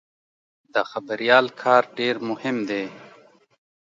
د خبریال کار ډېر مهم دی.